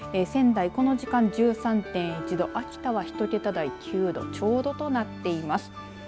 仙台、この時間１３．１度あしたは１桁台９度ちょうどとなっています。